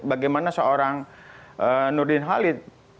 bagaimana seorang nurdin halid